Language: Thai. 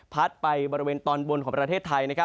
ไปบริเวณตอนบนของประเทศไทย